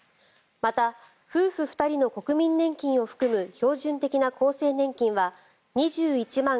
また、夫婦２人の国民年金を含む標準的な厚生年金は２１万９５９３円。